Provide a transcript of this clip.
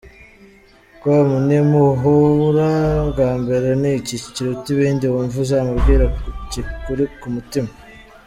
com: Nimuhura bwa mbere ni iki kiruta ibindi wumva uzamubwira kikuri ku mutima?.